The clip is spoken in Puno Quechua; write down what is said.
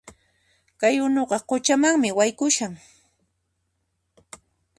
Kay unuqa quchamanmi haykushan